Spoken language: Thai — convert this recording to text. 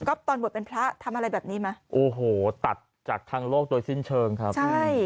ก็ตอนบวชเป็นพระทำอะไรแบบนี้ไหมโอ้โหตัดจากทางโลกโดยสิ้นเชิงครับใช่